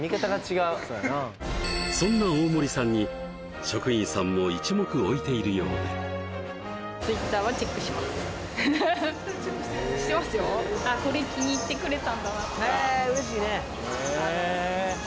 そんな大森さんに職員さんも一目置いているようで・Ｔｗｉｔｔｅｒチェックしてる？